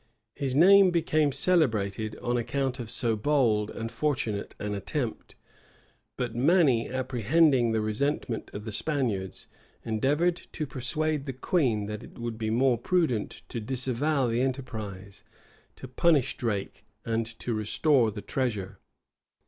His name became celebrated on account of so bold and fortunate an attempt; but many, apprehending the resentment of the Spaniards, endeavored to persuade the queen, that it would be more prudent to disavow the enterprise, to punish Drake, and to restore the treasure.